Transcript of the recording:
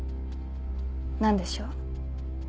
何でしょう？